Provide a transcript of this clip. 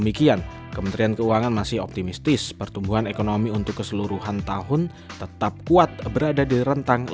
meski demikian kementerian keuangan masih optimistis pertumbuhan ekonomi untuk keseluruhan tahun tetap kuat berada di rentang lima hingga lima tiga